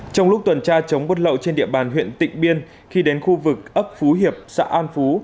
trong lúc tuần tra chống bất lậu trên địa bàn huyện tịnh biên khi đến khu vực ấp phú hiệp xã an phú